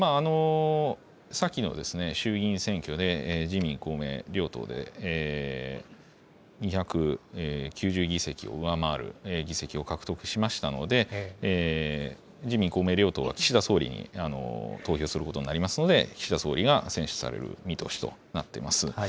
先の衆議院選挙で、自民、公明両党で２９０議席を上回る議席を獲得しましたので、自民、公明両党が岸田総理に投票することになりますので、岸田総理が選出される見通しとなっています。